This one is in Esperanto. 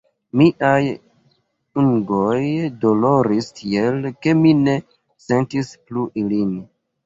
Miaj ungoj doloris tiel, ke mi ne sentis plu ilin.